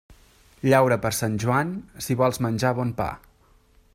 Llaura per Sant Joan, si vols menjar bon pa.